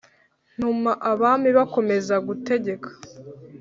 Ntuma abami bakomeza gutegeka